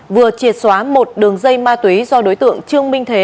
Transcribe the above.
vừa triệt xóa một đường dây ma túy do đối tượng trương minh thế